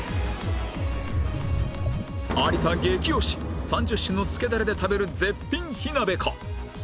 有田激推し３０種のつけダレで食べる絶品火鍋か？